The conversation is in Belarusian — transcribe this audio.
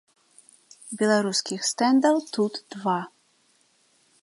Беларускіх стэндаў тут два.